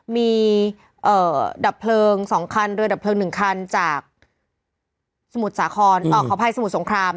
มีดับเพลิง๒คันเรือดับเพลิงนึงคันจากสมุทรสงคราม